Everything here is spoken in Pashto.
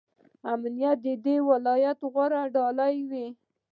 امنیت د دې ولایت غوره ډالۍ وي.